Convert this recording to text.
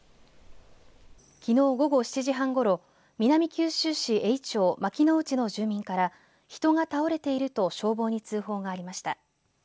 きのう午後７時半ごろ南九州市頴娃町牧之内の住民から人が倒れていると消防に通報がありました。